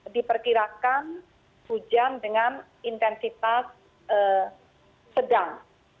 diperkirakan hujan dengan intensitas sedang